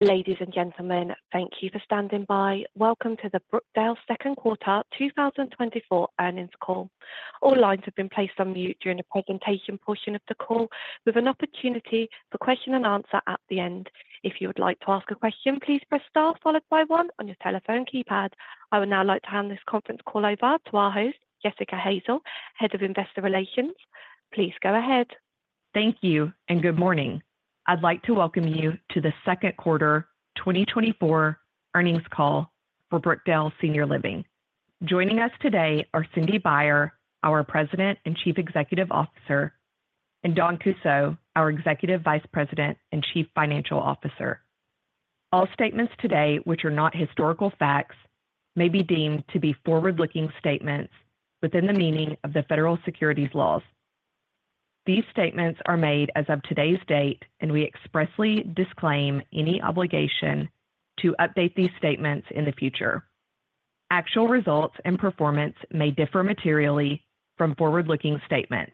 Ladies and gentlemen, thank you for standing by. Welcome to the Brookdale Second Quarter 2024 Earnings Call. All lines have been placed on mute during the presentation portion of the call, with an opportunity for question and answer at the end. If you would like to ask a question, please press star followed by one on your telephone keypad. I would now like to hand this conference call over to our host, Jessica Hansen, Head of Investor Relations. Please go ahead. Thank you, and good morning. I'd like to welcome you to the second quarter 2024 earnings call for Brookdale Senior Living. Joining us today are Cindy Baier, our President and Chief Executive Officer, and Dawn Kussow, our Executive Vice President and Chief Financial Officer. All statements today, which are not historical facts, may be deemed to be forward-looking statements within the meaning of the federal securities laws. These statements are made as of today's date, and we expressly disclaim any obligation to update these statements in the future. Actual results and performance may differ materially from forward-looking statements,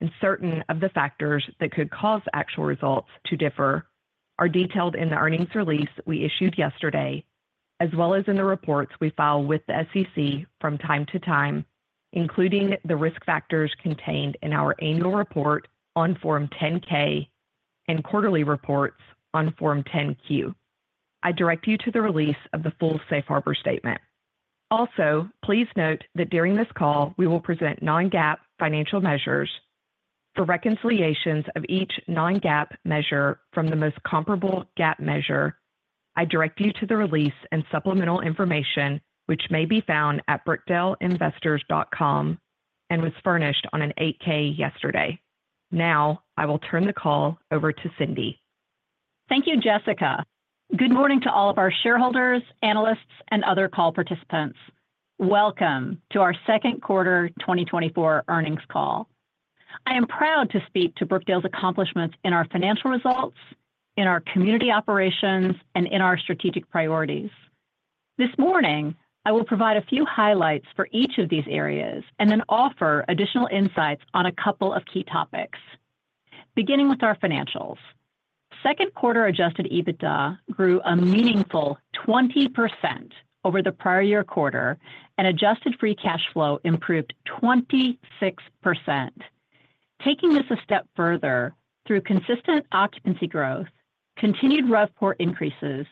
and certain of the factors that could cause actual results to differ are detailed in the earnings release we issued yesterday, as well as in the reports we file with the SEC from time to time, including the risk factors contained in our annual report on Form 10-K and quarterly reports on Form 10-Q. I direct you to the release of the full safe harbor statement. Also, please note that during this call, we will present non-GAAP financial measures. For reconciliations of each non-GAAP measure from the most comparable GAAP measure, I direct you to the release and supplemental information, which may be found at brookdaleinvestors.com and was furnished on an 8-K yesterday. Now, I will turn the call over to Cindy. Thank you, Jessica. Good morning to all of our shareholders, analysts, and other call participants. Welcome to our second quarter 2024 earnings call. I am proud to speak to Brookdale's accomplishments in our financial results, in our community operations, and in our strategic priorities. This morning, I will provide a few highlights for each of these areas and then offer additional insights on a couple of key topics. Beginning with our financials. Second quarter Adjusted EBITDA grew a meaningful 20% over the prior year quarter, and Adjusted Free Cash Flow improved 26%. Taking this a step further, through consistent occupancy growth, continued RevPAR increases,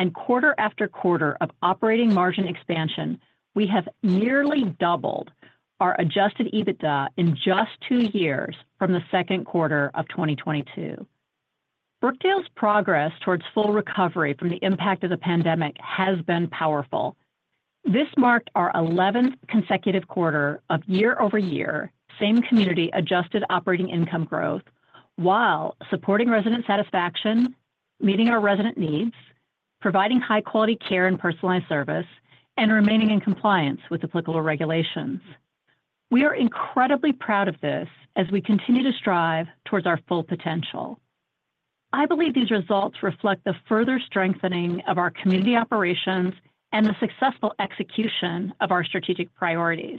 and quarter after quarter of operating margin expansion, we have nearly doubled our Adjusted EBITDA in just two years from the second quarter of 2022. Brookdale's progress towards full recovery from the impact of the pandemic has been powerful. This marked our 11th consecutive quarter of year-over-year, same community, adjusted operating income growth, while supporting resident satisfaction, meeting our resident needs, providing high-quality care and personalized service, and remaining in compliance with applicable regulations. We are incredibly proud of this as we continue to strive toward our full potential. I believe these results reflect the further strengthening of our community operations and the successful execution of our strategic priorities.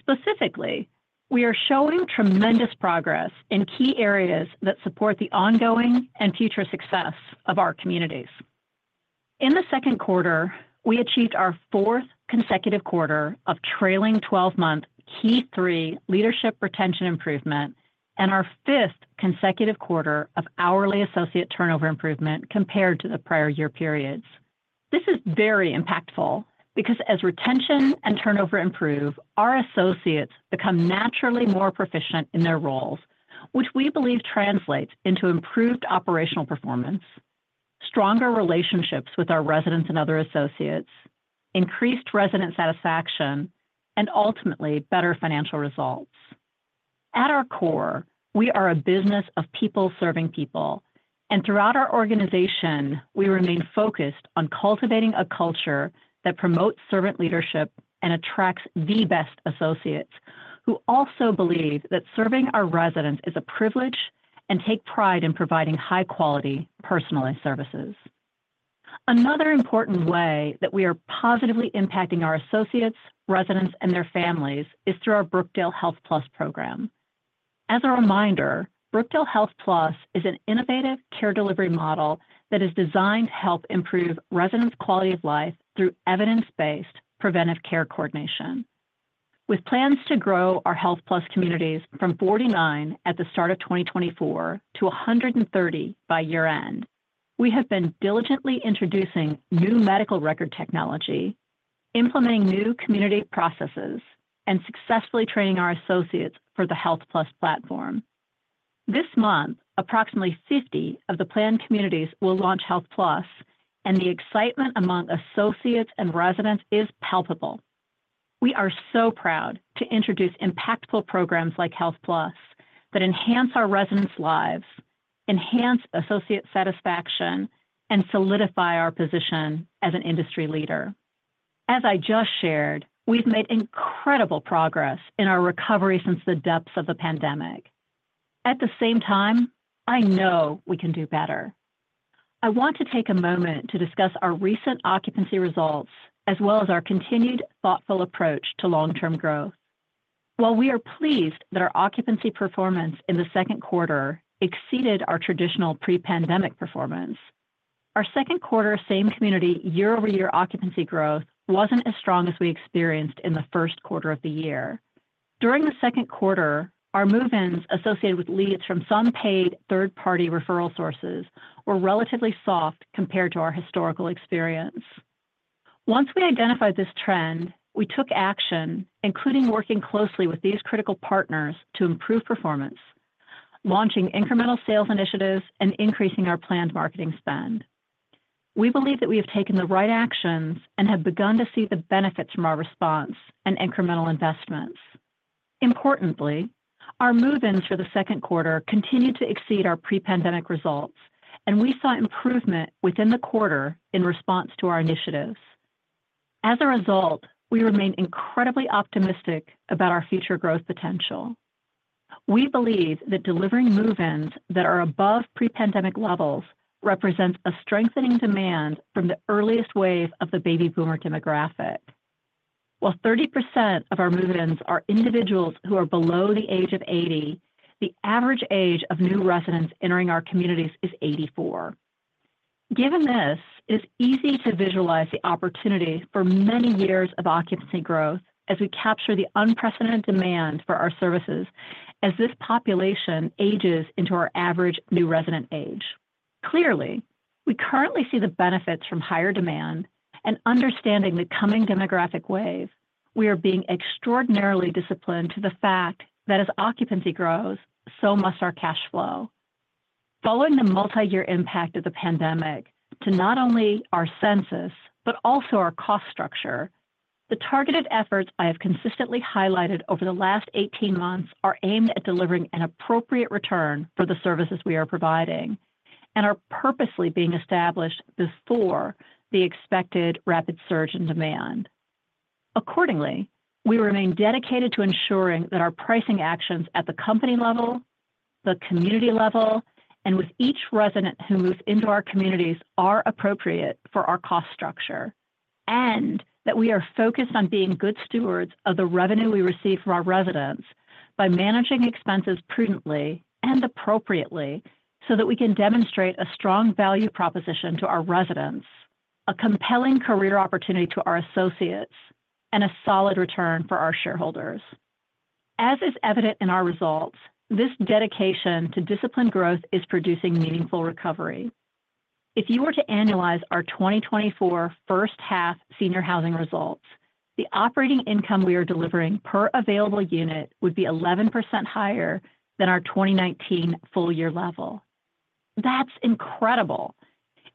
Specifically, we are showing tremendous progress in key areas that support the ongoing and future success of our communities. In the second quarter, we achieved our 4th consecutive quarter of trailing 12-month Key 3 leadership retention improvement and our 5th consecutive quarter of hourly associate turnover improvement compared to the prior year periods. This is very impactful because as retention and turnover improve, our associates become naturally more proficient in their roles, which we believe translates into improved operational performance, stronger relationships with our residents and other associates, increased resident satisfaction, and ultimately, better financial results. At our core, we are a business of people serving people, and throughout our organization, we remain focused on cultivating a culture that promotes servant leadership and attracts the best associates, who also believe that serving our residents is a privilege and take pride in providing high-quality, personalized services. Another important way that we are positively impacting our associates, residents, and their families is through our Brookdale HealthPlus program. As a reminder, Brookdale HealthPlus is an innovative care delivery model that is designed to help improve residents' quality of life through evidence-based preventive care coordination. With plans to grow our HealthPlus communities from 49 at the start of 2024 to 130 by year-end, we have been diligently introducing new medical record technology, implementing new community processes, and successfully training our associates for the HealthPlus platform. This month, approximately 50 of the planned communities will launch HealthPlus, and the excitement among associates and residents is palpable. We are so proud to introduce impactful programs like HealthPlus that enhance our residents' lives, enhance associate satisfaction, and solidify our position as an industry leader. As I just shared, we've made incredible progress in our recovery since the depths of the pandemic. At the same time, I know we can do better. I want to take a moment to discuss our recent occupancy results, as well as our continued thoughtful approach to long-term growth.... While we are pleased that our occupancy performance in the second quarter exceeded our traditional pre-pandemic performance, our second quarter same-community year-over-year occupancy growth wasn't as strong as we experienced in the first quarter of the year. During the second quarter, our move-ins associated with leads from some paid third-party referral sources were relatively soft compared to our historical experience. Once we identified this trend, we took action, including working closely with these critical partners to improve performance, launching incremental sales initiatives, and increasing our planned marketing spend. We believe that we have taken the right actions and have begun to see the benefits from our response and incremental investments. Importantly, our move-ins for the second quarter continued to exceed our pre-pandemic results, and we saw improvement within the quarter in response to our initiatives. As a result, we remain incredibly optimistic about our future growth potential. We believe that delivering move-ins that are above pre-pandemic levels represents a strengthening demand from the earliest wave of the baby boomer demographic. While 30% of our move-ins are individuals who are below the age of 80, the average age of new residents entering our communities is 84. Given this, it's easy to visualize the opportunity for many years of occupancy growth as we capture the unprecedented demand for our services as this population ages into our average new resident age. Clearly, we currently see the benefits from higher demand and understanding the coming demographic wave, we are being extraordinarily disciplined to the fact that as occupancy grows, so must our cash flow. Following the multi-year impact of the pandemic to not only our census, but also our cost structure, the targeted efforts I have consistently highlighted over the last 18 months are aimed at delivering an appropriate return for the services we are providing and are purposely being established before the expected rapid surge in demand. Accordingly, we remain dedicated to ensuring that our pricing actions at the company level, the community level, and with each resident who moves into our communities, are appropriate for our cost structure, and that we are focused on being good stewards of the revenue we receive from our residents by managing expenses prudently and appropriately, so that we can demonstrate a strong value proposition to our residents, a compelling career opportunity to our associates, and a solid return for our shareholders. As is evident in our results, this dedication to disciplined growth is producing meaningful recovery. If you were to annualize our 2024 first half senior housing results, the operating income we are delivering per available unit would be 11% higher than our 2019 full year level. That's incredible!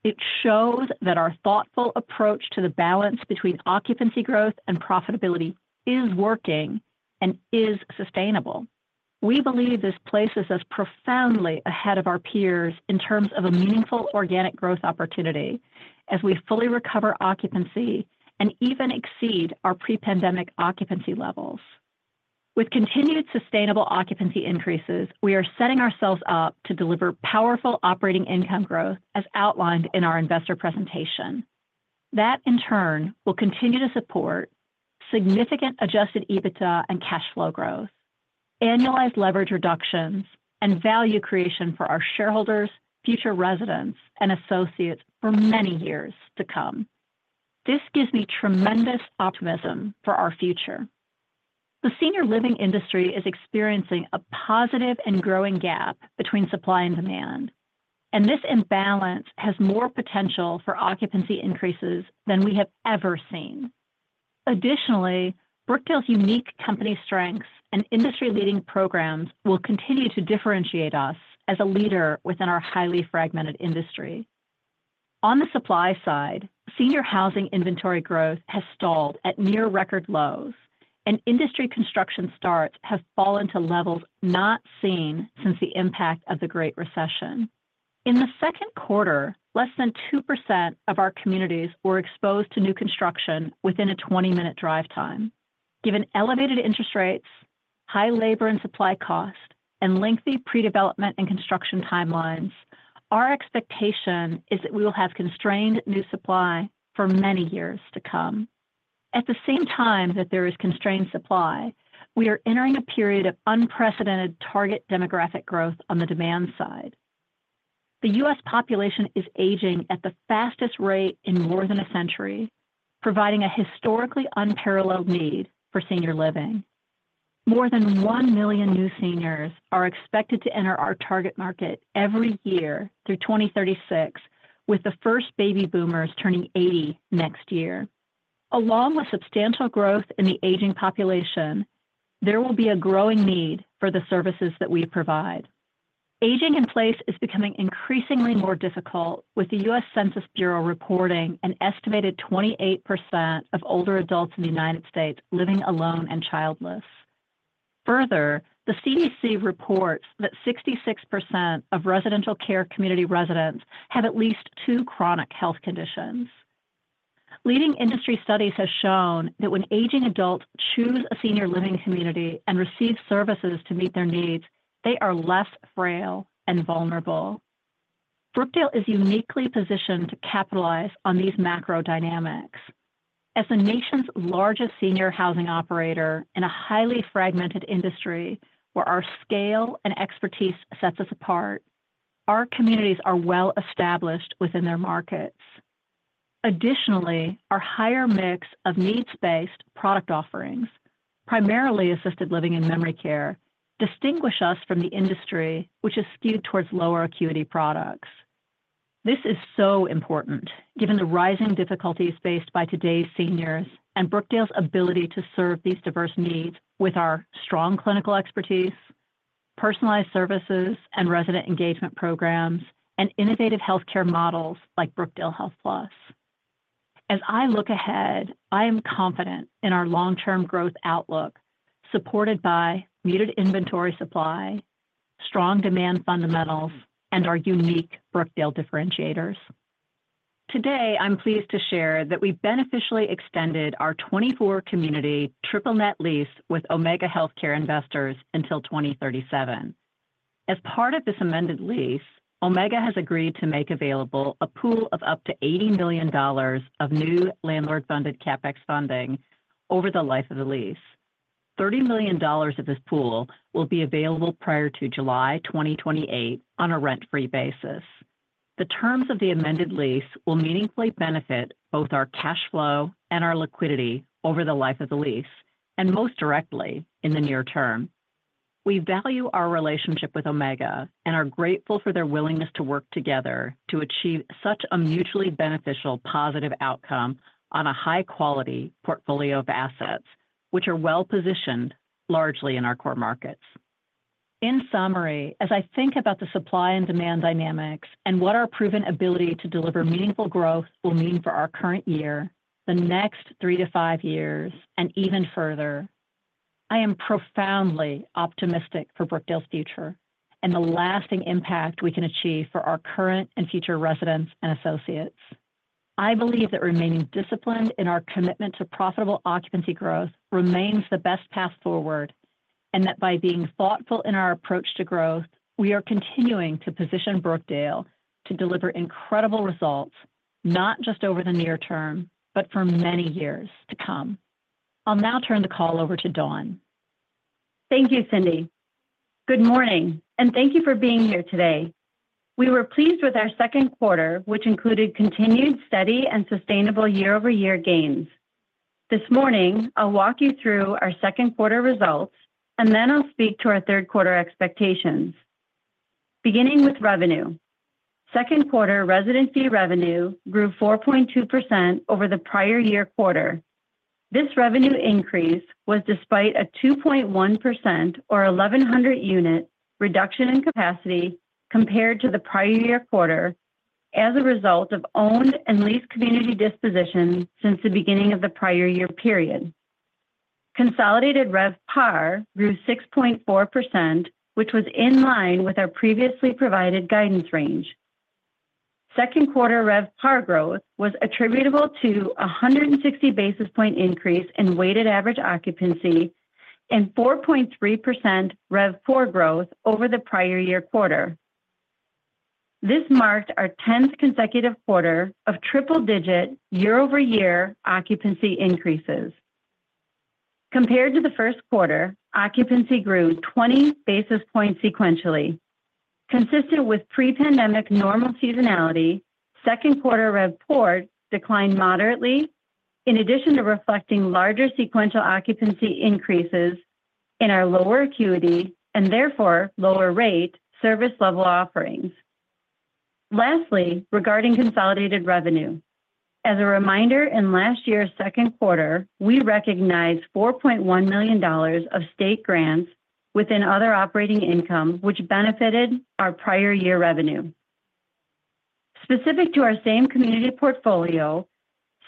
It shows that our thoughtful approach to the balance between occupancy, growth, and profitability is working and is sustainable. We believe this places us profoundly ahead of our peers in terms of a meaningful organic growth opportunity as we fully recover occupancy and even exceed our pre-pandemic occupancy levels. With continued sustainable occupancy increases, we are setting ourselves up to deliver powerful operating income growth as outlined in our investor presentation. That, in turn, will continue to support significant adjusted EBITDA and cash flow growth, annualized leverage reductions, and value creation for our shareholders, future residents, and associates for many years to come. This gives me tremendous optimism for our future. The senior living industry is experiencing a positive and growing gap between supply and demand, and this imbalance has more potential for occupancy increases than we have ever seen. Additionally, Brookdale's unique company strengths and industry-leading programs will continue to differentiate us as a leader within our highly fragmented industry. On the supply side, senior housing inventory growth has stalled at near record lows, and industry construction starts have fallen to levels not seen since the impact of the Great Recession. In the second quarter, less than 2% of our communities were exposed to new construction within a 20-minute drive time. Given elevated interest rates, high labor and supply costs, and lengthy pre-development and construction timelines, our expectation is that we will have constrained new supply for many years to come. At the same time that there is constrained supply, we are entering a period of unprecedented target demographic growth on the demand side. The U.S. population is aging at the fastest rate in more than a century, providing a historically unparalleled need for senior living. More than 1 million new seniors are expected to enter our target market every year through 2036, with the first baby boomers turning 80 next year. Along with substantial growth in the aging population, there will be a growing need for the services that we provide. Aging in place is becoming increasingly more difficult, with the U.S. Census Bureau reporting an estimated 28% of older adults in the United States living alone and childless. Further, the CDC reports that 66% of residential care community residents have at least two chronic health conditions. Leading industry studies have shown that when aging adults choose a senior living community and receive services to meet their needs, they are less frail and vulnerable.... Brookdale is uniquely positioned to capitalize on these macro dynamics. As the nation's largest senior housing operator in a highly fragmented industry, where our scale and expertise sets us apart, our communities are well-established within their markets. Additionally, our higher mix of needs-based product offerings, primarily assisted living and memory care, distinguish us from the industry, which is skewed towards lower acuity products. This is so important, given the rising difficulties faced by today's seniors, and Brookdale's ability to serve these diverse needs with our strong clinical expertise, personalized services, and resident engagement programs, and innovative healthcare models like Brookdale HealthPlus. As I look ahead, I am confident in our long-term growth outlook, supported by muted inventory supply, strong demand fundamentals, and our unique Brookdale differentiators. Today, I'm pleased to share that we beneficially extended our 24 community triple net lease with Omega Healthcare Investors until 2037. As part of this amended lease, Omega has agreed to make available a pool of up to $80 million of new landlord-funded CapEx funding over the life of the lease. $30 million of this pool will be available prior to July 2028 on a rent-free basis. The terms of the amended lease will meaningfully benefit both our cash flow and our liquidity over the life of the lease, and most directly in the near term. We value our relationship with Omega and are grateful for their willingness to work together to achieve such a mutually beneficial, positive outcome on a high-quality portfolio of assets, which are well-positioned largely in our core markets. In summary, as I think about the supply and demand dynamics and what our proven ability to deliver meaningful growth will mean for our current year, the next three to five years, and even further, I am profoundly optimistic for Brookdale's future and the lasting impact we can achieve for our current and future residents and associates. I believe that remaining disciplined in our commitment to profitable occupancy growth remains the best path forward, and that by being thoughtful in our approach to growth, we are continuing to position Brookdale to deliver incredible results, not just over the near term, but for many years to come. I'll now turn the call over to Dawn. Thank you, Cindy. Good morning, and thank you for being here today. We were pleased with our second quarter, which included continued steady and sustainable year-over-year gains. This morning, I'll walk you through our second quarter results, and then I'll speak to our third quarter expectations. Beginning with revenue. Second quarter resident fee revenue grew 4.2% over the prior year quarter. This revenue increase was despite a 2.1% or 1,100 unit reduction in capacity compared to the prior year quarter as a result of owned and leased community dispositions since the beginning of the prior year period. Consolidated RevPAR grew 6.4%, which was in line with our previously provided guidance range. Second quarter RevPAR growth was attributable to a 160 basis point increase in weighted average occupancy and 4.3% RevPOR growth over the prior year quarter. This marked our 10th consecutive quarter of triple-digit year-over-year occupancy increases. Compared to the first quarter, occupancy grew 20 basis points sequentially. Consistent with pre-pandemic normal seasonality, second quarter RevPOR declined moderately, in addition to reflecting larger sequential occupancy increases in our lower acuity and therefore lower rate service level offerings. Lastly, regarding consolidated revenue. As a reminder, in last year's second quarter, we recognized $4.1 million of state grants within other operating income, which benefited our prior year revenue. Specific to our same-community portfolio,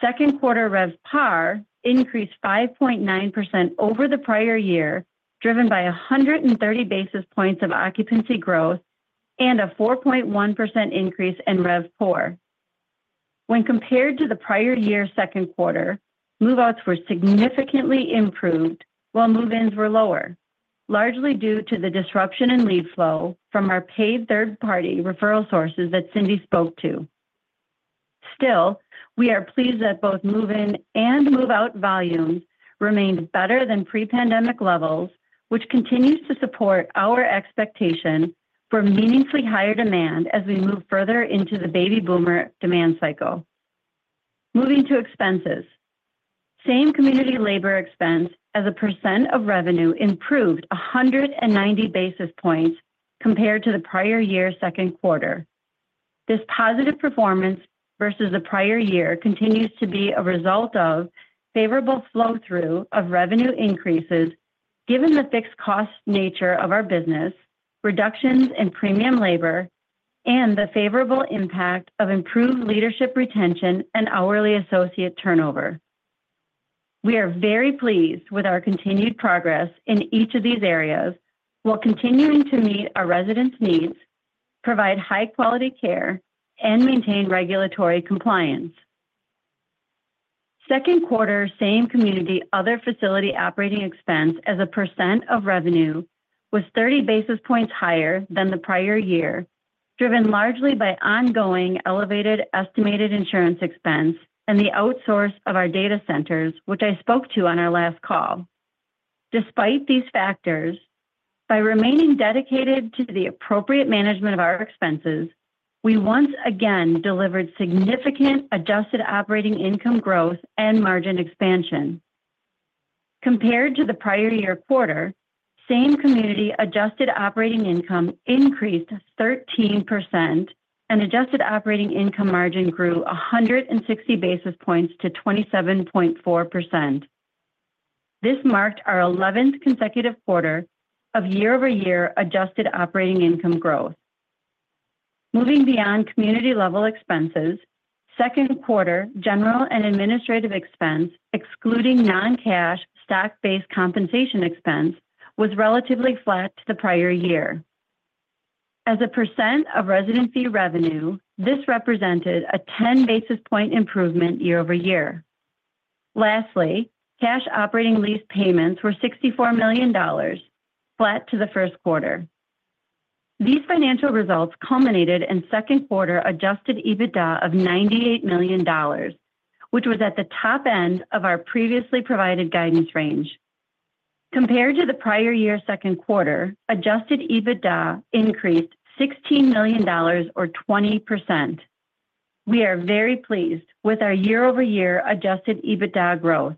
second quarter RevPAR increased 5.9% over the prior year, driven by 130 basis points of occupancy growth and a 4.1% increase in RevPOR. When compared to the prior year's second quarter, move-outs were significantly improved, while move-ins were lower, largely due to the disruption in lead flow from our paid third-party referral sources that Cindy spoke to. Still, we are pleased that both move-in and move-out volumes remained better than pre-pandemic levels, which continues to support our expectation for meaningfully higher demand as we move further into the baby boomer demand cycle. Moving to expenses. Same community labor expense as a % of revenue improved 100 basis points compared to the prior year's second quarter. This positive performance versus the prior year continues to be a result of favorable flow-through of revenue increases, given the fixed cost nature of our business, reductions in premium labor, and the favorable impact of improved leadership retention and hourly associate turnover. We are very pleased with our continued progress in each of these areas, while continuing to meet our residents' needs, provide high-quality care, and maintain regulatory compliance. Second quarter, same-community other facility operating expense as a percent of revenue was 30 basis points higher than the prior year, driven largely by ongoing elevated estimated insurance expense and the outsource of our data centers, which I spoke to on our last call. Despite these factors, by remaining dedicated to the appropriate management of our expenses, we once again delivered significant adjusted operating income growth and margin expansion. Compared to the prior year quarter, same-community adjusted operating income increased 13% and adjusted operating income margin grew 160 basis points to 27.4%. This marked our 11th consecutive quarter of year-over-year adjusted operating income growth. Moving beyond community-level expenses, second quarter general and administrative expense, excluding non-cash stock-based compensation expense, was relatively flat to the prior year. As a percent of resident fee revenue, this represented a 10 basis point improvement year-over-year. Lastly, cash operating lease payments were $64 million, flat to the first quarter. These financial results culminated in second quarter Adjusted EBITDA of $98 million, which was at the top end of our previously provided guidance range. Compared to the prior year's second quarter, Adjusted EBITDA increased $16 million or 20%. We are very pleased with our year-over-year Adjusted EBITDA growth.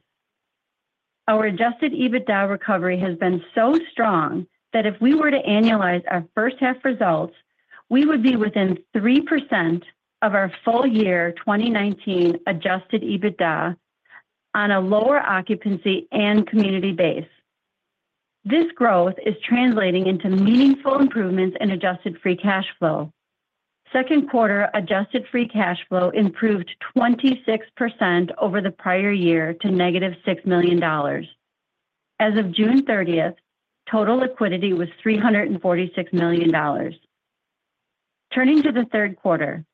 Our Adjusted EBITDA recovery has been so strong that if we were to annualize our first half results, we would be within 3% of our full year 2019 Adjusted EBITDA on a lower occupancy and community base. This growth is translating into meaningful improvements in Adjusted Free Cash Flow. Second quarter Adjusted Free Cash Flow improved 26% over the prior year to -$6 million. As of June 30, total liquidity was $346 million. Turning to the third quarter.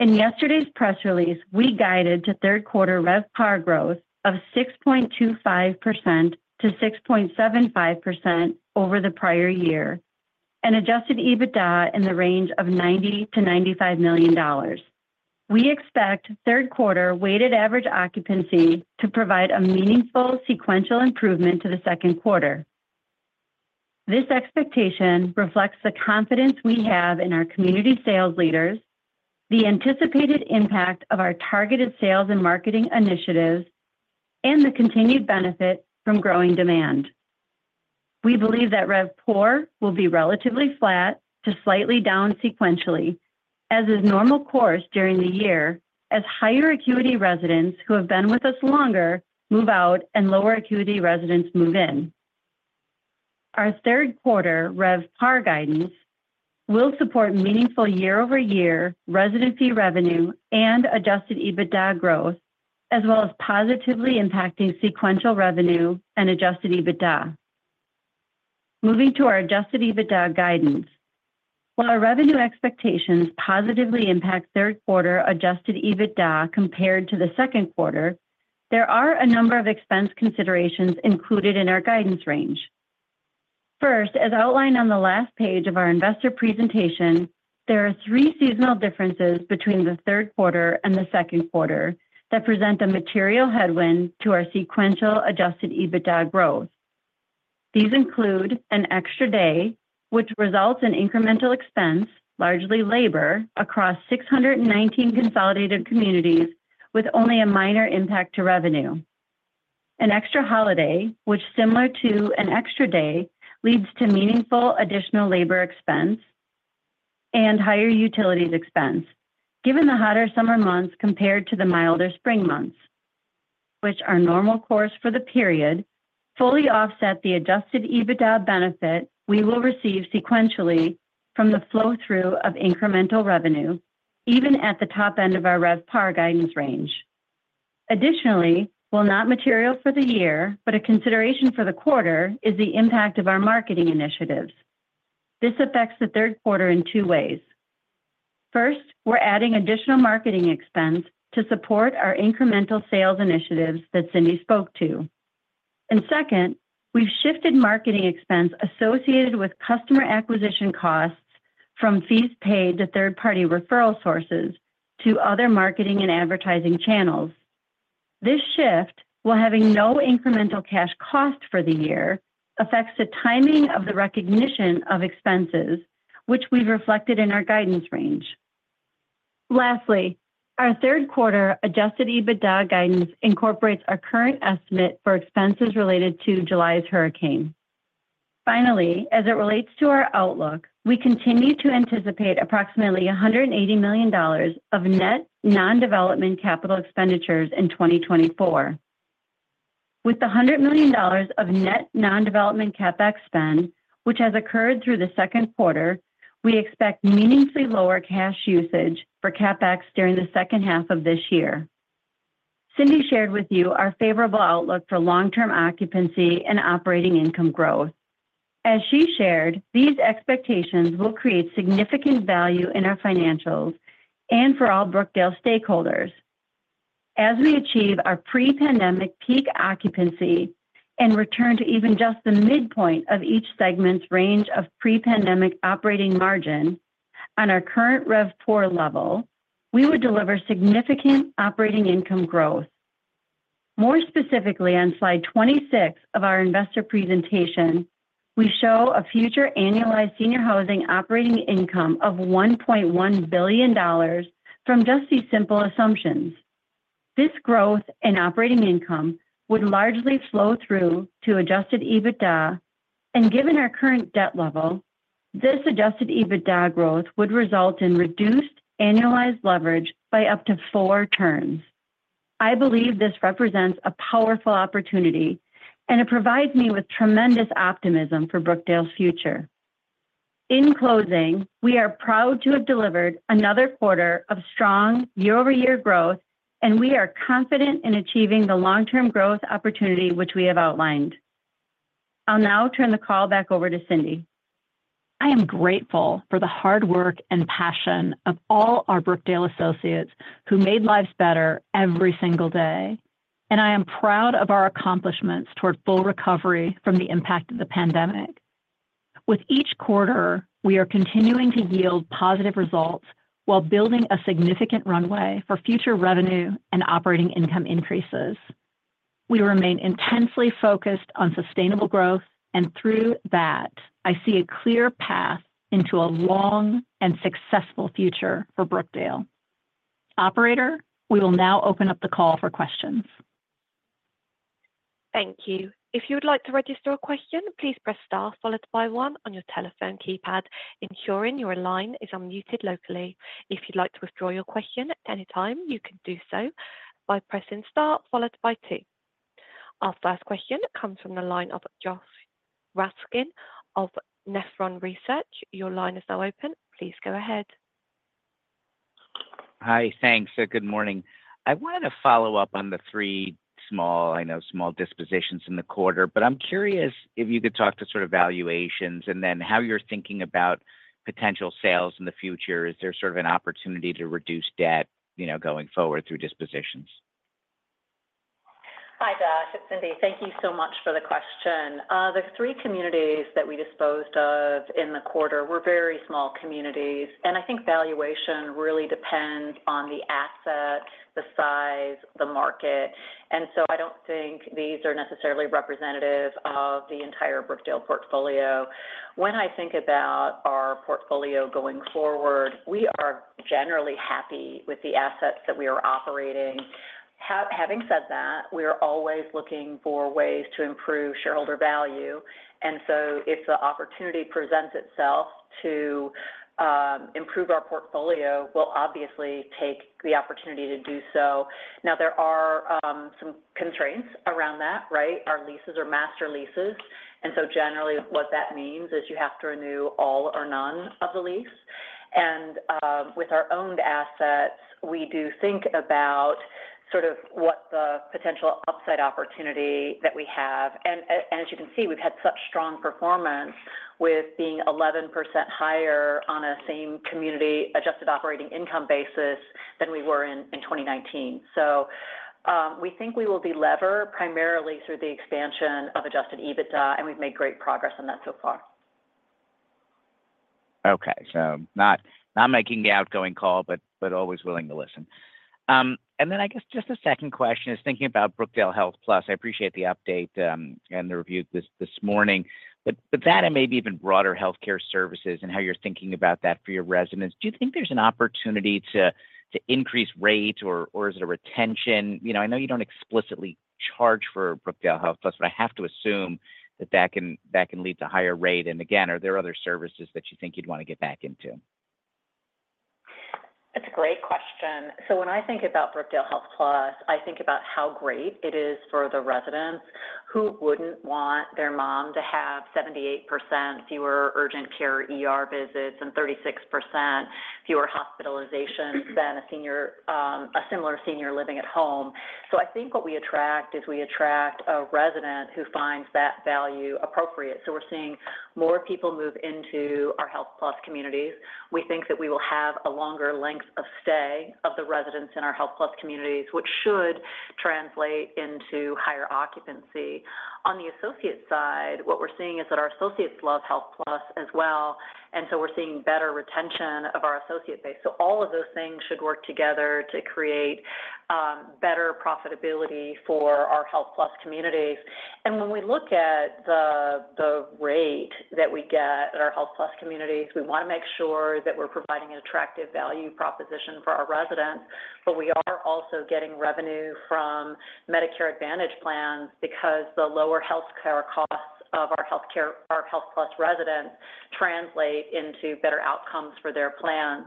In yesterday's press release, we guided to third quarter RevPAR growth of 6.25%-6.75% over the prior year, and Adjusted EBITDA in the range of $90 million-$95 million. We expect third quarter weighted average occupancy to provide a meaningful sequential improvement to the second quarter. This expectation reflects the confidence we have in our community sales leaders, the anticipated impact of our targeted sales and marketing initiatives, and the continued benefit from growing demand. We believe that RevPOR will be relatively flat to slightly down sequentially, as is normal course during the year, as higher acuity residents who have been with us longer move out and lower acuity residents move in. Our third quarter RevPAR guidance will support meaningful year-over-year resident fee revenue and adjusted EBITDA growth, as well as positively impacting sequential revenue and adjusted EBITDA. Moving to our adjusted EBITDA guidance. While our revenue expectations positively impact third quarter adjusted EBITDA compared to the second quarter, there are a number of expense considerations included in our guidance range. First, as outlined on the last page of our investor presentation, there are three seasonal differences between the third quarter and the second quarter that present a material headwind to our sequential adjusted EBITDA growth. These include an extra day, which results in incremental expense, largely labor, across 619 consolidated communities with only a minor impact to revenue. An extra holiday, which similar to an extra day, leads to meaningful additional labor expense and higher utilities expense. Given the hotter summer months compared to the milder spring months, which are normal course for the period, fully offset the Adjusted EBITDA benefit we will receive sequentially from the flow-through of incremental revenue, even at the top end of our RevPAR guidance range. Additionally, while not material for the year, but a consideration for the quarter, is the impact of our marketing initiatives. This affects the third quarter in two ways. First, we're adding additional marketing expense to support our incremental sales initiatives that Cindy spoke to. And second, we've shifted marketing expense associated with customer acquisition costs from fees paid to third-party referral sources to other marketing and advertising channels. This shift, while having no incremental cash cost for the year, affects the timing of the recognition of expenses, which we've reflected in our guidance range. Lastly, our third quarter Adjusted EBITDA guidance incorporates our current estimate for expenses related to July's hurricane. Finally, as it relates to our outlook, we continue to anticipate approximately $180 million of net non-development capital expenditures in 2024. With the $100 million of net non-development CapEx spend, which has occurred through the second quarter, we expect meaningfully lower cash usage for CapEx during the second half of this year. Cindy shared with you our favorable outlook for long-term occupancy and operating income growth. As she shared, these expectations will create significant value in our financials and for all Brookdale stakeholders. As we achieve our pre-pandemic peak occupancy and return to even just the midpoint of each segment's range of pre-pandemic operating margin on our current RevPAR level, we would deliver significant operating income growth. More specifically, on slide 26 of our investor presentation, we show a future annualized senior housing operating income of $1.1 billion from just these simple assumptions. This growth in operating income would largely flow through to adjusted EBITDA, and given our current debt level, this adjusted EBITDA growth would result in reduced annualized leverage by up to four turns. I believe this represents a powerful opportunity, and it provides me with tremendous optimism for Brookdale's future. In closing, we are proud to have delivered another quarter of strong year-over-year growth, and we are confident in achieving the long-term growth opportunity, which we have outlined. I'll now turn the call back over to Cindy. I am grateful for the hard work and passion of all our Brookdale associates who made lives better every single day, and I am proud of our accomplishments toward full recovery from the impact of the pandemic. With each quarter, we are continuing to yield positive results while building a significant runway for future revenue and operating income increases. We remain intensely focused on sustainable growth, and through that, I see a clear path into a long and successful future for Brookdale. Operator, we will now open up the call for questions. Thank you. If you would like to register a question, please press star followed by one on your telephone keypad, ensuring your line is unmuted locally. If you'd like to withdraw your question at any time, you can do so by pressing star followed by two. Our first question comes from the line of Josh Raskin of Nephron Research. Your line is now open. Please go ahead. Hi. Thanks. Good morning. I wanted to follow up on the three small, I know, small dispositions in the quarter, but I'm curious if you could talk to sort of valuations and then how you're thinking about potential sales in the future. Is there sort of an opportunity to reduce debt, you know, going forward through dispositions? Hi, Josh, it's Cindy. Thank you so much for the question. The three communities that we disposed of in the quarter were very small communities, and I think valuation really depends on the asset, the size, the market. So I don't think these are necessarily representative of the entire Brookdale portfolio. When I think about our portfolio going forward, we are generally happy with the assets that we are operating. Having said that, we are always looking for ways to improve shareholder value, and so if the opportunity presents itself to improve our portfolio, we'll obviously take the opportunity to do so. Now, there are some constraints around that, right? Our leases are master leases, and so generally, what that means is you have to renew all or none of the lease. And, with our owned assets, we do think about sort of what the potential upside opportunity that we have. And, as you can see, we've had such strong performance with being 11% higher on a same-community adjusted operating income basis than we were in 2019. So, we think we will delever primarily through the expansion of Adjusted EBITDA, and we've made great progress on that so far. Okay. So not, not making the outgoing call, but, but always willing to listen. And then I guess just a second question is thinking about Brookdale HealthPlus. I appreciate the update, and the review this, this morning, but, but that and maybe even broader healthcare services and how you're thinking about that for your residents. Do you think there's an opportunity to, to increase rates or, or is it a retention? You know, I know you don't explicitly charge for Brookdale HealthPlus, but I have to assume that that can, that can lead to higher rate. And again, are there other services that you think you'd want to get back into? That's a great question. So when I think about Brookdale HealthPlus, I think about how great it is for the residents. Who wouldn't want their mom to have 78% fewer urgent care ER visits and 36% fewer hospitalizations than a senior, a similar senior living at home? So I think what we attract is we attract a resident who finds that value appropriate. So we're seeing more people move into our Health communities. We think that we will have a longer length of stay of the residents in our HealthPlus communities, which should translate into higher occupancy. On the associate side, what we're seeing is that our associates love HealthPlus as well, and so we're seeing better retention of our associate base. So all of those things should work together to create better profitability for our HealthPlus communities. When we look at the rate that we get at our HealthPlus communities, we want to make sure that we're providing an attractive value proposition for our residents, but we are also getting revenue from Medicare Advantage plans because the lower healthcare costs of our healthcare, our HealthPlus residents translate into better outcomes for their plans.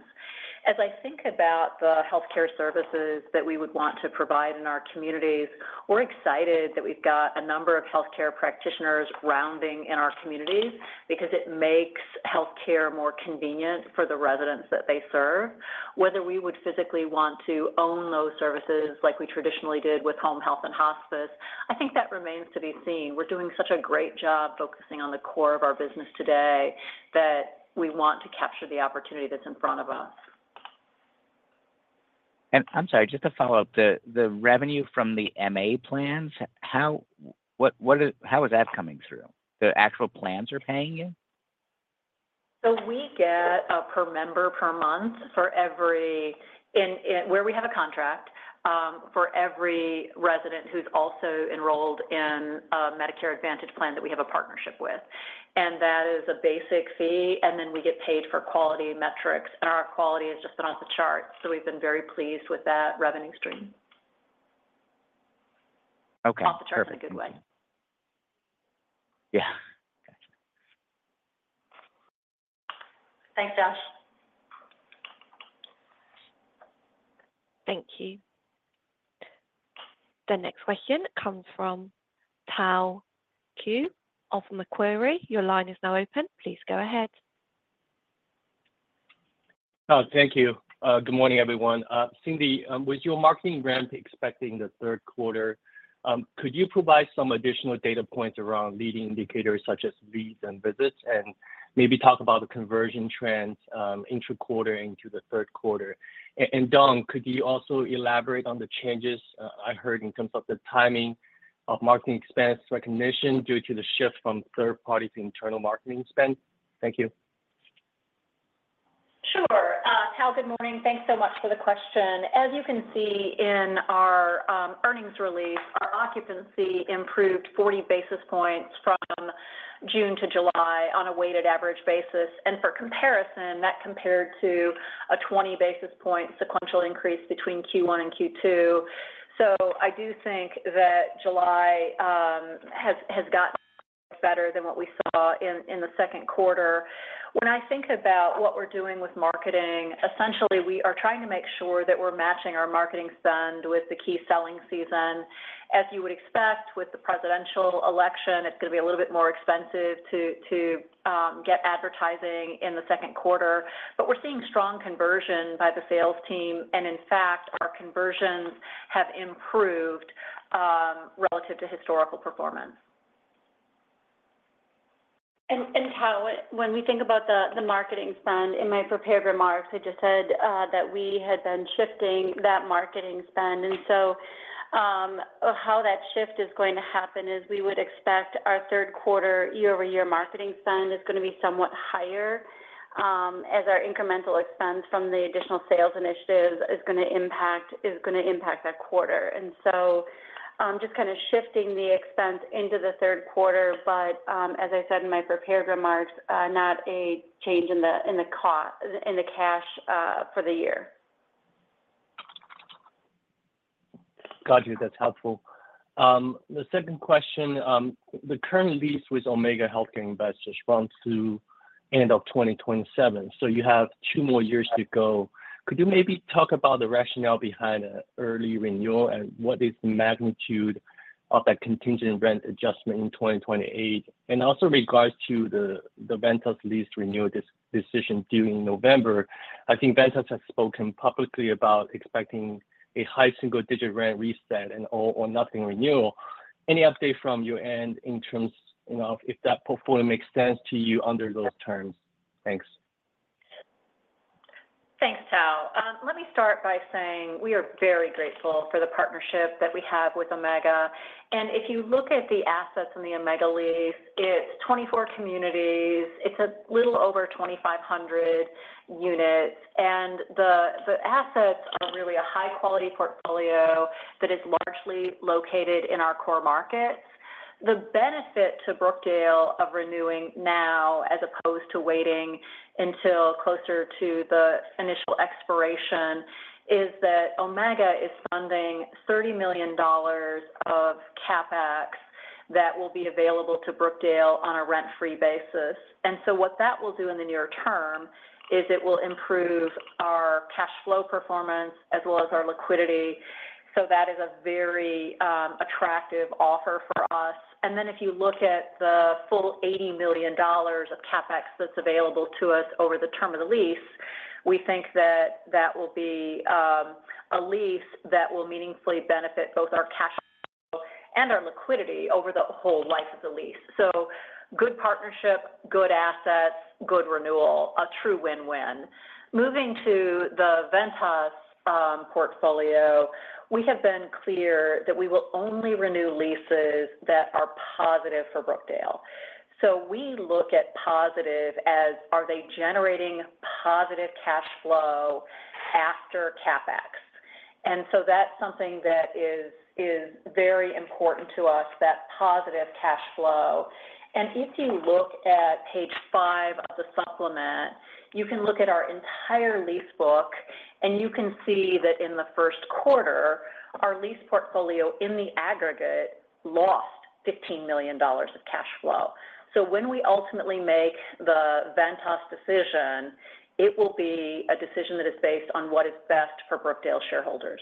As I think about the healthcare services that we would want to provide in our communities, we're excited that we've got a number of healthcare practitioners rounding in our communities because it makes healthcare more convenient for the residents that they serve. Whether we would physically want to own those services like we traditionally did with home health and hospice, I think that remains to be seen. We're doing such a great job focusing on the core of our business today, that we want to capture the opportunity that's in front of us. ... And I'm sorry, just to follow up, the revenue from the MA plans, how, what is, how is that coming through? The actual plans are paying you? So we get a per member per month for every where we have a contract for every resident who's also enrolled in a Medicare Advantage plan that we have a partnership with. That is a basic fee, and then we get paid for quality metrics, and our quality has just been off the charts, so we've been very pleased with that revenue stream. Okay, perfect. Off the charts in a good way. Yeah. Gotcha. Thanks, Josh. Thank you. The next question comes from Tao Qiu of Macquarie. Your line is now open. Please go ahead. Oh, thank you. Good morning, everyone. Cindy, with your marketing ramp expecting the third quarter, could you provide some additional data points around leading indicators such as leads and visits, and maybe talk about the conversion trends, intra-quarter into the third quarter? And Don, could you also elaborate on the changes I heard in terms of the timing of marketing expense recognition due to the shift from third party to internal marketing spend? Thank you. Sure. Tao, good morning. Thanks so much for the question. As you can see in our earnings release, our occupancy improved 40 basis points from June to July on a weighted average basis, and for comparison, that compared to a 20 basis point sequential increase between Q1 and Q2. So I do think that July has gotten better than what we saw in the second quarter. When I think about what we're doing with marketing, essentially, we are trying to make sure that we're matching our marketing spend with the key selling season. As you would expect with the presidential election, it's going to be a little bit more expensive to get advertising in the second quarter. But we're seeing strong conversion by the sales team, and in fact, our conversions have improved relative to historical performance. Tao, when we think about the marketing spend in my prepared remarks, I just said that we had been shifting that marketing spend. And so, how that shift is going to happen is we would expect our third quarter year-over-year marketing spend is going to be somewhat higher, as our incremental expense from the additional sales initiative is going to impact that quarter. And so, just kind of shifting the expense into the third quarter, but, as I said in my prepared remarks, not a change in the cash for the year. Got you. That's helpful. The second question, the current lease with Omega Healthcare Investors runs through end of 2027, so you have two more years to go. Could you maybe talk about the rationale behind an early renewal, and what is the magnitude of that contingent rent adjustment in 2028? And also regards to the Ventas lease renewal decision due in November. I think Ventas has spoken publicly about expecting a high single-digit rent reset and all or nothing renewal. Any update from your end in terms, you know, if that portfolio makes sense to you under those terms? Thanks. Thanks, Tao. Let me start by saying we are very grateful for the partnership that we have with Omega. And if you look at the assets in the Omega lease, it's 24 communities, it's a little over 2,500 units, and the assets are really a high-quality portfolio that is largely located in our core markets. The benefit to Brookdale of renewing now, as opposed to waiting until closer to the initial expiration, is that Omega is funding $30 million of CapEx that will be available to Brookdale on a rent-free basis. And so what that will do in the near term is it will improve our cash flow performance as well as our liquidity. So that is a very attractive offer for us. And then if you look at the full $80 million of CapEx that's available to us over the term of the lease, we think that that will be a lease that will meaningfully benefit both our cash flow and our liquidity over the whole life of the lease. So good partnership, good assets, good renewal, a true win-win. Moving to the Ventas portfolio, we have been clear that we will only renew leases that are positive for Brookdale. So we look at positive as are they generating positive cash flow after CapEx? And so that's something that is very important to us, that positive cash flow. And if you look at page 5 of the supplement, you can look at our entire lease book, and you can see that in the first quarter, our lease portfolio, in the aggregate, lost $15 million of cash flow. When we ultimately make the Ventas decision, it will be a decision that is based on what is best for Brookdale shareholders.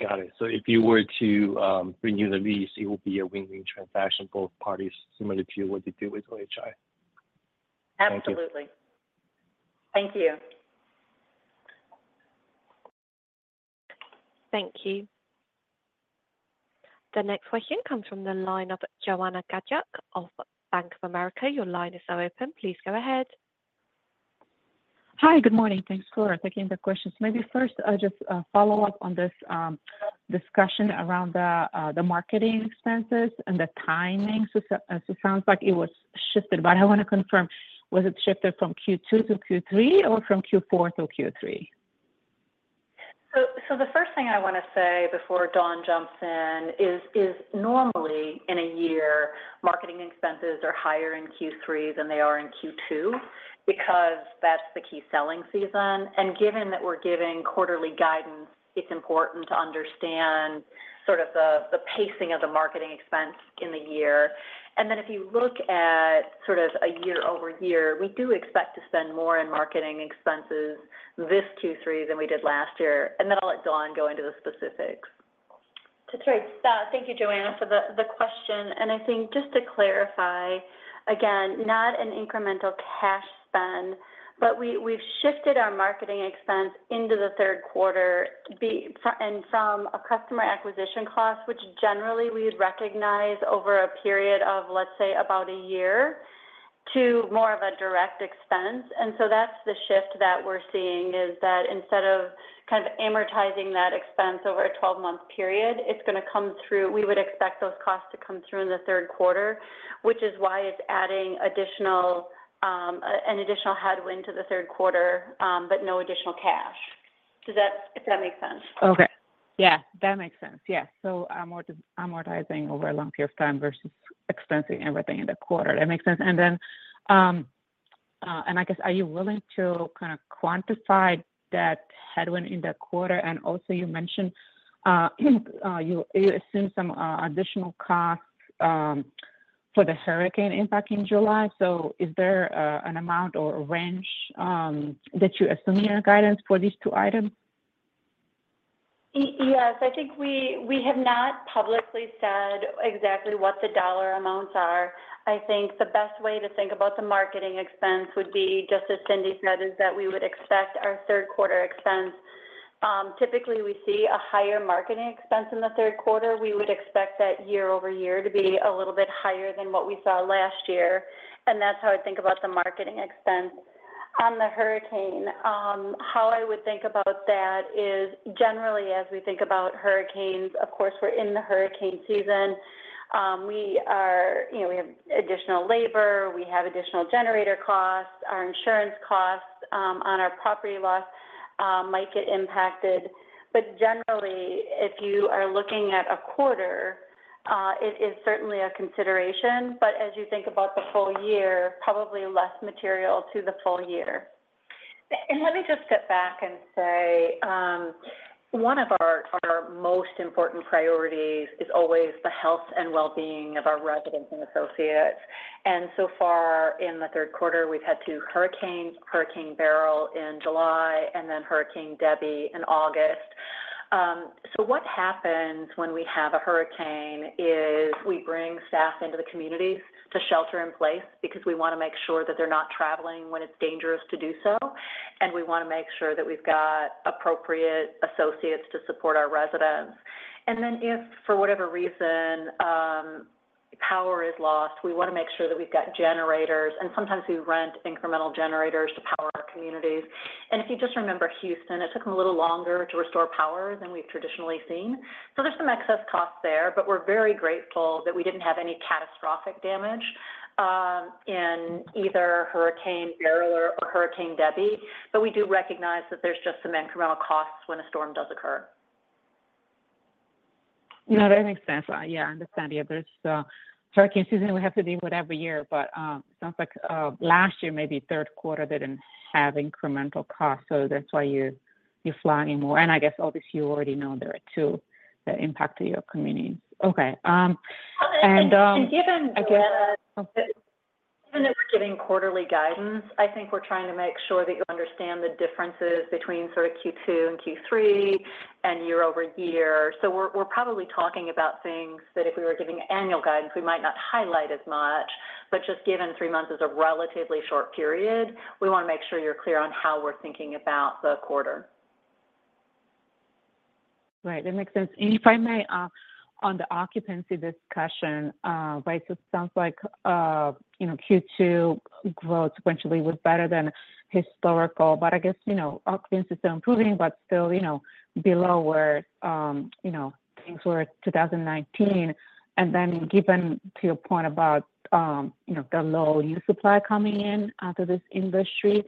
Got it. So if you were to renew the lease, it will be a win-win transaction, both parties, similar to what you do with OHI. Absolutely. Thank you. Thank you.... Thank you. The next question comes from the line of Joanna Gajuk of Bank of America. Your line is now open. Please go ahead. Hi, good morning. Thanks for taking the questions. Maybe first, just a follow-up on this discussion around the marketing expenses and the timing. So it sounds like it was shifted, but I want to confirm, was it shifted from Q2-Q3 or from Q4-Q3? So, the first thing I want to say before Dawn jumps in is, normally in a year, marketing expenses are higher in Q3 than they are in Q2 because that's the key selling season. And given that we're giving quarterly guidance, it's important to understand sort of the pacing of the marketing expense in the year. And then if you look at sort of a year-over-year, we do expect to spend more in marketing expenses this Q3 than we did last year. And then I'll let Dawn go into the specifics. That's right. Thank you, Joanna, for the question. And I think just to clarify, again, not an incremental cash spend, but we've shifted our marketing expense into the third quarter from a customer acquisition cost, which generally we'd recognize over a period of, let's say, about a year, to more of a direct expense. And so that's the shift that we're seeing, is that instead of kind of amortizing that expense over a 12-month period, it's going to come through. We would expect those costs to come through in the third quarter, which is why it's adding an additional headwind to the third quarter, but no additional cash. Does that? If that makes sense. Okay. Yeah, that makes sense. Yeah. So amortizing over a longer period of time versus expensing everything in the quarter. That makes sense. And then, I guess, are you willing to kind of quantify that headwind in the quarter? And also you mentioned, you assume some additional costs for the hurricane impact in July. So is there an amount or a range that you assume in your guidance for these two items? Yes, I think we have not publicly said exactly what the dollar amounts are. I think the best way to think about the marketing expense would be, just as Cindy said, is that we would expect our third quarter expense. Typically, we see a higher marketing expense in the third quarter. We would expect that year-over-year to be a little bit higher than what we saw last year, and that's how I think about the marketing expense. On the hurricane, how I would think about that is, generally, as we think about hurricanes, of course, we're in the hurricane season. We are, you know, we have additional labor, we have additional generator costs, our insurance costs, on our property loss, might get impacted. But generally, if you are looking at a quarter, it is certainly a consideration, but as you think about the full year, probably less material to the full year. Let me just step back and say, one of our most important priorities is always the health and well-being of our residents and associates. So far in the third quarter, we've had two hurricanes, Hurricane Beryl in July and then Hurricane Debby in August. What happens when we have a hurricane is we bring staff into the communities to shelter in place because we want to make sure that they're not traveling when it's dangerous to do so, and we want to make sure that we've got appropriate associates to support our residents. If, for whatever reason, power is lost, we want to make sure that we've got generators, and sometimes we rent incremental generators to power our communities. If you just remember Houston, it took them a little longer to restore power than we've traditionally seen. So there's some excess cost there, but we're very grateful that we didn't have any catastrophic damage in either Hurricane Beryl or Hurricane Debby. But we do recognize that there's just some incremental costs when a storm does occur. No, that makes sense. Yeah, I understand. Yeah, there's hurricane season will have to deal with every year, but sounds like last year, maybe third quarter, didn't have incremental costs, so that's why you, you're planning more. And I guess obviously you already know there are two that impacted your community. Okay, and, again- Even if we're giving quarterly guidance, I think we're trying to make sure that you understand the differences between sort of Q2 and Q3 and year-over-year. So we're probably talking about things that if we were giving annual guidance, we might not highlight as much, but just given three months is a relatively short period, we want to make sure you're clear on how we're thinking about the quarter. Right. That makes sense. And if I may ask on the occupancy discussion, but it sounds like, you know, Q2 growth sequentially was better than historical, but I guess, you know, occupancy is still improving, but still, you know, below where, you know, things were in 2019. And then given your point about, you know, the low new supply coming in, to this industry,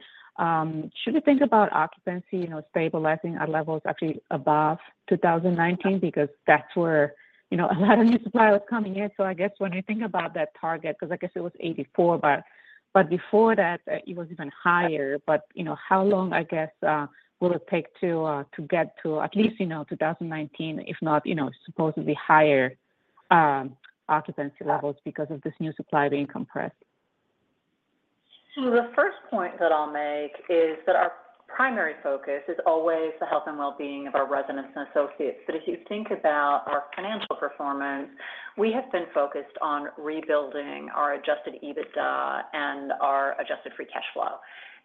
should we think about occupancy, you know, stabilizing at levels actually above 2019? Because that's where, you know, a lot of new supply was coming in. So I guess when you think about that target, because I guess it was 84, but before that, it was even higher. But, you know, how long, I guess, will it take to get to at least, you know, 2019, if not, you know, supposedly higher occupancy levels because of this new supply being compressed?... So the first point that I'll make is that our primary focus is always the health and well-being of our residents and associates. But if you think about our financial performance, we have been focused on rebuilding our Adjusted EBITDA and our Adjusted Free Cash Flow.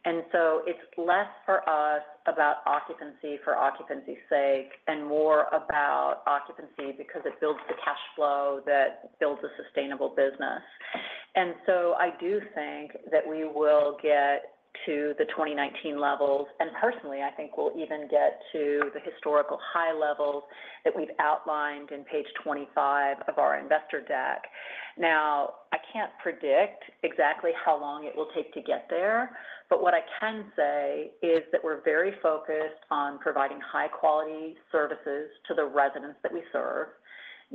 And so it's less for us about occupancy for occupancy's sake and more about occupancy because it builds the cash flow that builds a sustainable business. And so I do think that we will get to the 2019 levels, and personally, I think we'll even get to the historical high levels that we've outlined in page 25 of our investor deck. Now, I can't predict exactly how long it will take to get there, but what I can say is that we're very focused on providing high-quality services to the residents that we serve,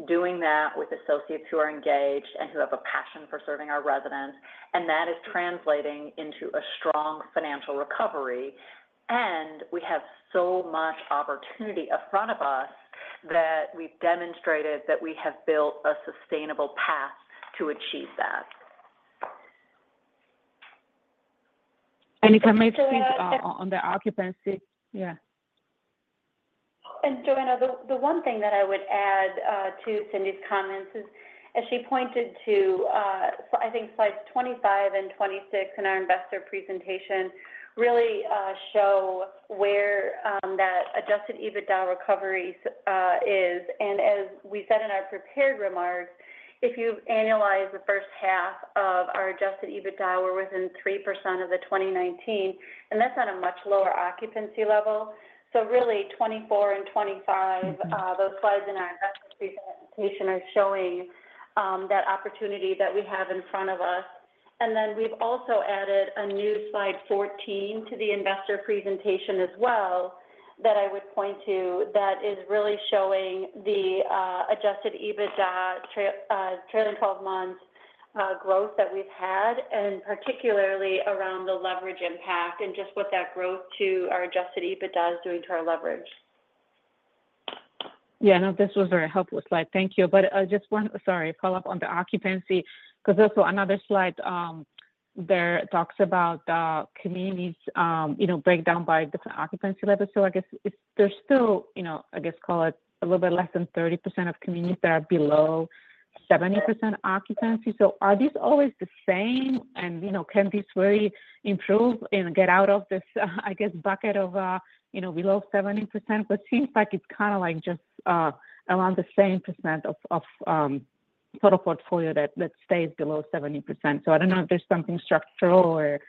doing that with associates who are engaged and who have a passion for serving our residents, and that is translating into a strong financial recovery. And we have so much opportunity in front of us that we've demonstrated that we have built a sustainable path to achieve that. Any comments, please, on the occupancy? Yeah. And Joanna, the one thing that I would add to Cindy's comments is, as she pointed to, I think slides 25 and 26 in our investor presentation really show where that Adjusted EBITDA recovery is. And as we said in our prepared remarks, if you annualize the first half of our Adjusted EBITDA, we're within 3% of the 2019, and that's at a much lower occupancy level. So really, 24 and 25, those slides in our investor presentation are showing that opportunity that we have in front of us. And then we've also added a new slide 14 to the investor presentation as well, that I would point to, that is really showing the Adjusted EBITDA trail, trailing 12 months, growth that we've had, and particularly around the leverage impact and just what that growth to our Adjusted EBITDA is doing to our leverage. Yeah, no, this was very helpful slide. Thank you. But, just one... Sorry, follow up on the occupancy, 'cause also another slide, there talks about the communities, you know, breakdown by different occupancy levels. So I guess if there's still, you know, I guess, call it a little bit less than 30% of communities that are below 70% occupancy. So are these always the same? And, you know, can this very improve and get out of this, I guess, bucket of, you know, below 70%? But seems like it's kind of like just, around the same percent of, of, total portfolio that, that stays below 70%. So I don't know if there's something structural or,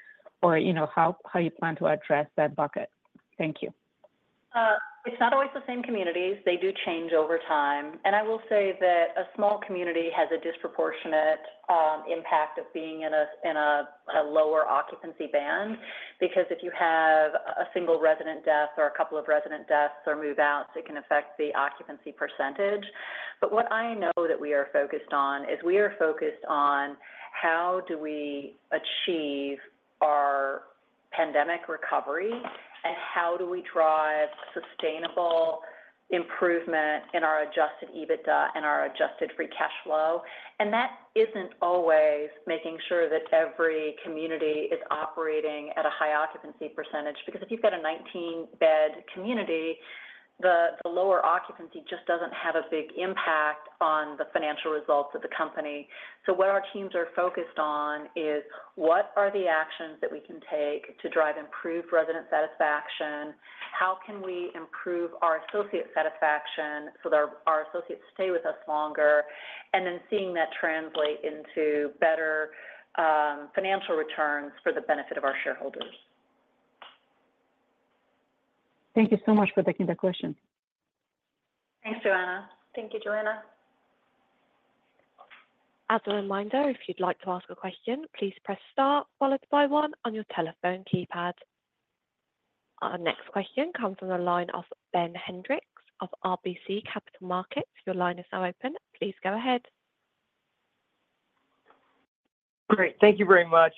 or, you know, how, how you plan to address that bucket. Thank you. It's not always the same communities. They do change over time. I will say that a small community has a disproportionate impact of being in a lower occupancy band, because if you have a single resident death or a couple of resident deaths or move-outs, it can affect the occupancy percentage. But what I know that we are focused on is we are focused on how do we achieve our pandemic recovery, and how do we drive sustainable improvement in our Adjusted EBITDA and our Adjusted Free Cash Flow. That isn't always making sure that every community is operating at a high occupancy percentage, because if you've got a 19-bed community, the lower occupancy just doesn't have a big impact on the financial results of the company. So what our teams are focused on is what are the actions that we can take to drive improved resident satisfaction? How can we improve our associate satisfaction so that our associates stay with us longer? And then seeing that translate into better financial returns for the benefit of our shareholders. Thank you so much for taking the question. Thanks, Joanna. Thank you, Joanna. As a reminder, if you'd like to ask a question, please press star followed by one on your telephone keypad. Our next question comes from the line of Ben Hendrix of RBC Capital Markets. Your line is now open. Please go ahead. Great. Thank you very much.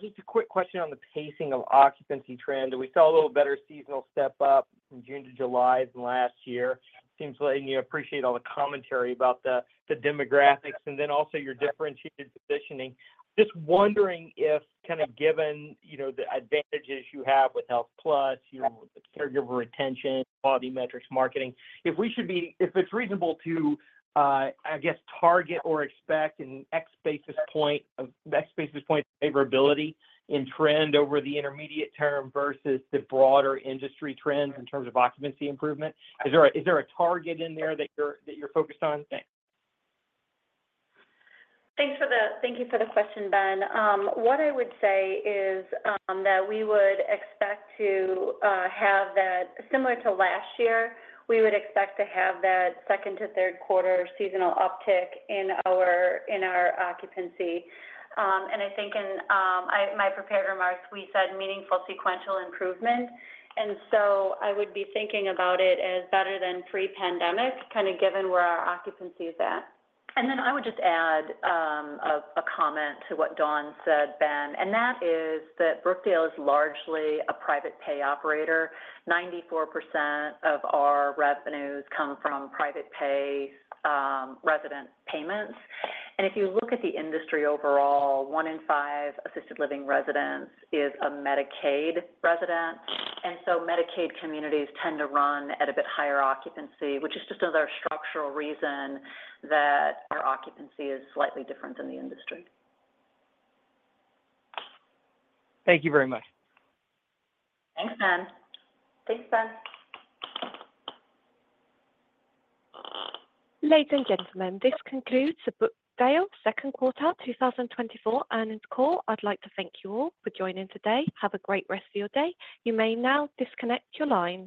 Just a quick question on the pacing of occupancy trend. We saw a little better seasonal step up from June to July than last year. Seems like you appreciate all the commentary about the demographics and then also your differentiated positioning. Just wondering if kind of given, you know, the advantages you have with Health Plus, your caregiver retention, quality metrics, marketing, if we should be if it's reasonable to, I guess, target or expect an X basis point of X basis point favorability in trend over the intermediate term versus the broader industry trend in terms of occupancy improvement? Is there a target in there that you're focused on? Thanks. Thank you for the question, Ben. What I would say is that we would expect to have that similar to last year, we would expect to have that second to third quarter seasonal uptick in our, in our occupancy. And I think in my prepared remarks, we said meaningful sequential improvement, and so I would be thinking about it as better than pre-pandemic, kind of given where our occupancy is at. And then I would just add a comment to what Dawn said, Ben, and that is that Brookdale is largely a private pay operator. 94% of our revenues come from private pay resident payments. And if you look at the industry overall, one in five assisted living residents is a Medicaid resident. And so Medicaid communities tend to run at a bit higher occupancy, which is just another structural reason that our occupancy is slightly different than the industry. Thank you very much. Thanks, Ben. Thanks, Ben. Ladies and gentlemen, this concludes the Brookdale second quarter 2024 earnings call. I'd like to thank you all for joining today. Have a great rest of your day. You may now disconnect your lines.